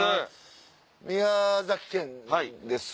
宮崎県です。